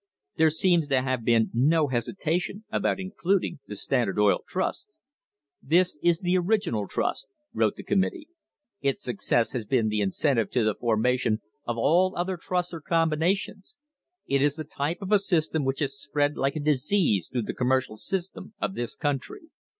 There seems to have been no hesitation about including the Standard Oil Trust. "This is the original trust," wrote the committee. "Its success has been the incentive to the formation of all other trusts or combinations. It is the type of a system which has spread like a disease through the commercial sys tem of this country."